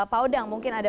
pak odang mungkin ada